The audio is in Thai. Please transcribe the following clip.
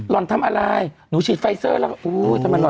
รอนทำอะไรหนูชิดไฟเซอร์แล้ว